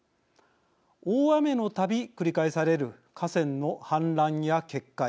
大雨の度繰り返される河川の氾濫や決壊。